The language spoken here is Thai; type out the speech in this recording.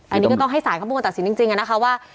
อันนี้ก็ต้องให้ศาลเขาเป็นคนตัดสินจริงนะคะว่า